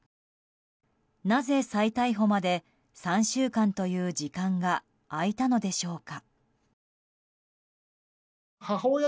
なぜ再逮捕まで３週間という時間が空いたのでしょうか。